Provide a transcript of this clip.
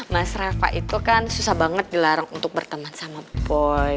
mas rafa itu kan susah banget dilarang untuk berteman sama boy